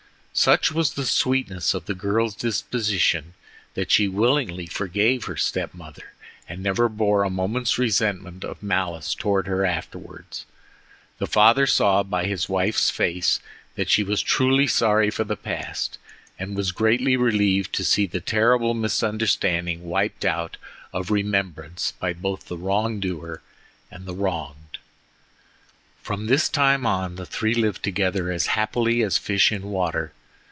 Such was the sweetness of the girl's disposition that she willingly forgave her step mother, and never bore a moment's resentment or malice towards her afterwards. The father saw by his wife's face that she was truly sorry for the past, and was greatly relieved to see the terrible misunderstanding wiped out of remembrance by both the wrong doer and the wronged. From this time on, the three lived together as happily as fish in water.